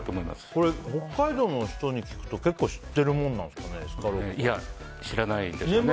これ、北海道の人に聞くと結構知ってるものなんですかいや、知らないでしょうね。